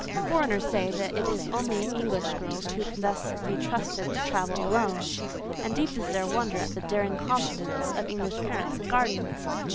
Foreigners say that it is only English girls who can thus be trusted to travel alone, and deep is their wonder at the daring confidence of English parents and guardians.